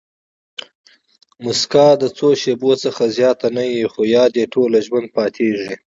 مسکا د څو شېبو څخه زیاته نه يي؛ خو یاد ئې ټوله ژوند پاتېږي.